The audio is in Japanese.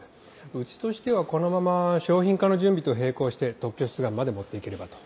うちとしてはこのまま商品化の準備と並行して特許出願まで持っていければと。